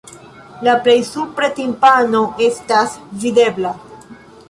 La plej supre timpano estas videbla.